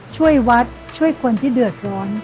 ช่วยวัดช่วยคนที่เดือดร้อน